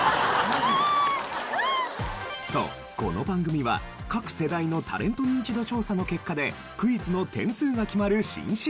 そうこの番組は各世代のタレントニンチド調査の結果でクイズの点数が決まる新システム。